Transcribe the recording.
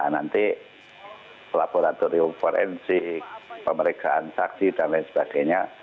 nanti laboratorium forensik pemeriksaan saksi dan lain sebagainya